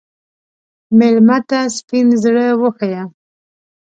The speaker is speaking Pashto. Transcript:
مېلمه ته سپین زړه وښیه.